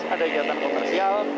ada kegiatan komersial